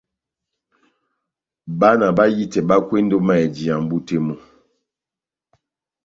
Bana bahitɛ bakwendi ó mayɛjiya mʼbú tɛ́ mú.